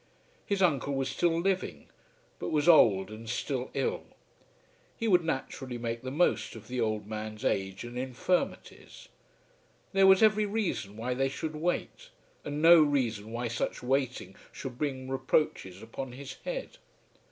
His uncle was still living, but was old and still ill. He would naturally make the most of the old man's age and infirmities. There was every reason why they should wait, and no reason why such waiting should bring reproaches upon his head.